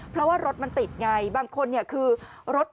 เพราะว่ารถมันติดไงบางคนเนี่ยคือรถ